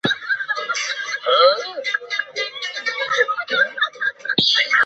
阿克和瑟南站门口设有社会车辆停车场。